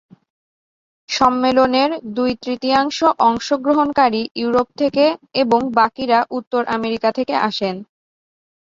সম্মেলনের দুই-তৃতীয়াংশ অংশগ্রহণকারী ইউরোপ থেকে এবং বাকিরা উত্তর আমেরিকা থেকে আসেন।